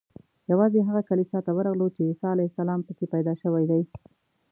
یوازې هغه کلیسا ته ورغلو چې عیسی علیه السلام په کې پیدا شوی دی.